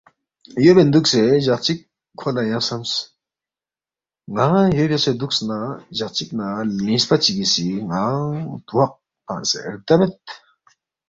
یو بین دُوکسے جق چِک کھو لہ ینگ خسمس، ن٘انگ یو بیاسے دُوکس نہ جق چِکنا لِنگسپا چگی سی ن٘انگ تواق فنگسے ردَبید